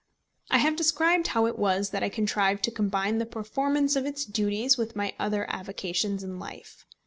I have described how it was that I contrived to combine the performance of its duties with my other avocations in life.